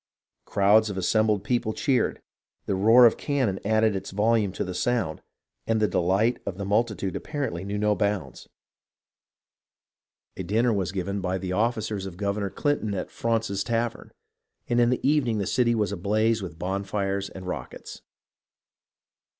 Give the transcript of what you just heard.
Crowds of assembled people cheered, the roar of cannon added its volume to the sound, and the delight of the multitude apparently knew no bounds. A dinner was 404 HISTORY OF THE AMERICAN REVOLUTION given the officers by Governor Clinton at Fraunce's Tavern, and in the evening the city was ablaze with bonfires and rockets.